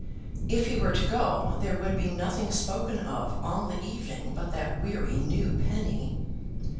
If he were to go there would be nothing spoken of all the evening, but that weary new penny.